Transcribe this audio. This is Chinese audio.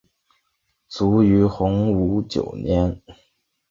卒于洪武九年。